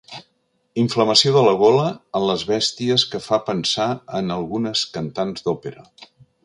Inflamació de la gola en les bèsties que fa pensar en algunes cantants d'òpera.